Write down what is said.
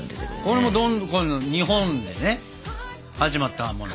これもどんどんこの日本でね始まったもの。